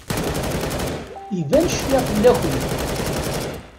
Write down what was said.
Iban cfiɣ fell-akent.